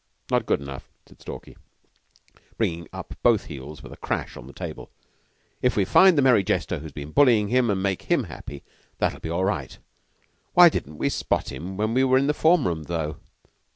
"Not good enough," said Stalky, bringing up both heels with a crash on the table. "If we find the merry jester who's been bullyin' him an' make him happy, that'll be all right. Why didn't we spot him when we were in the form rooms, though?"